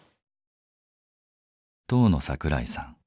当の桜井さん。